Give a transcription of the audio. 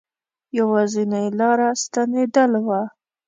یوازنی لاره ستنېدل وه.